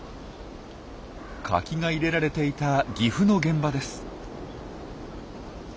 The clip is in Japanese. カキが入れられていた岐阜の現場です。